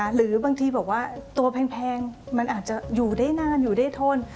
หรือบางทีบอกว่าตัวแพงมันอาจจะอยู่ได้นานอยู่ได้ทน